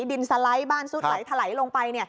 ดินสะไหลบ้านสุดไหลถะไหลลงไป